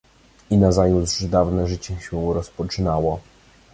"I nazajutrz dawne życie się rozpoczynało."